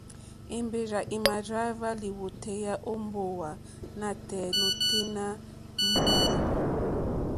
Èmbèrzà èmà dráíhwá lìwòtéyá ó mbówà nǎtɛ̀ɛ̀ nǒténá mbówà.